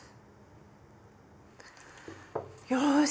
よし！